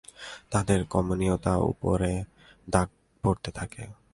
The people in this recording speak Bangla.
তাদের কমনীয়তার উপের দাগ পড়তে থাকে।